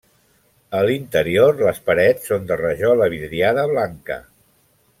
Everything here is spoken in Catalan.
A l'interior les parets són de rajola vidriada blanca.